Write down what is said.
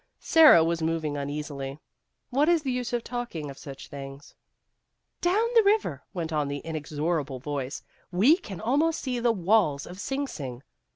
Sara was moving uneasily. " What is the use of talking of such things ?"" Down the river," went on the inexora ble voice, " we can almost see the walls of Sing Sing.